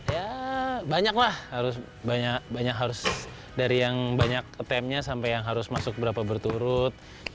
ya banyak lah harus dari yang banyak attemptnya sampai yang harus masuk berapa berturut